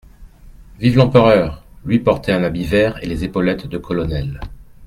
«Vive l'Empereur !» Lui portait un habit vert et les épaulettes de colonel.